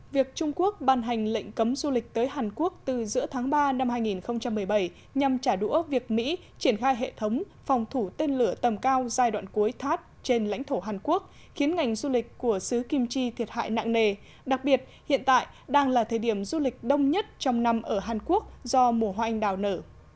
việc trung quốc ban hành lệnh cấm du lịch tới hàn quốc từ giữa tháng ba năm hai nghìn một mươi bảy nhằm trả đũa việc mỹ triển khai hệ thống phòng thủ tên lửa tầm cao giai đoạn cuối thát trên lãnh thổ hàn quốc khiến ngành du lịch của xứ kim chi thiệt hại nặng nề đặc biệt hiện tại đang là thời điểm du lịch đông nhất trong năm ở hàn quốc do mùa hoa anh đào nở